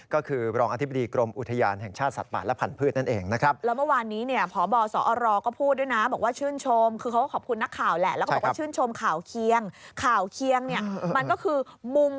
ก็คือรองอธิบดีกรมอุทยาน